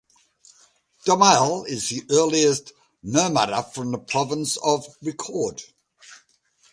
Domnall is the earliest mormaer from the province on record.